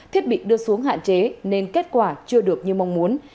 thiết bị đưa xuống hạn chế nên kết quả chưa được như mong muốn